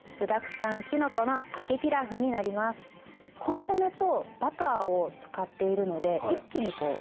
コンソメとバターを使っているので一気に洋風感が増すんですね。